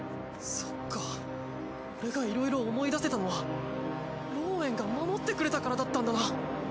そっか俺がいろいろ思い出せたのはローウェンが守ってくれたからだったんだな。